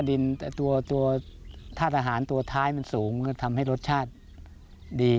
ดินท่าทหารสูงทำให้รสชาติดี